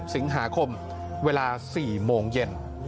สิงหาคมเวลา๔โมงเย็น